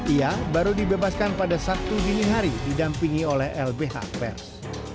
ia baru dibebaskan pada sabtu dini hari didampingi oleh lbh pers